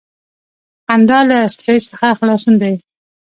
• خندا له سټریس څخه خلاصون دی.